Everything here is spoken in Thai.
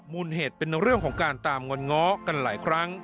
มูลเหตุเป็นเรื่องของการตามงอนง้อกันหลายครั้ง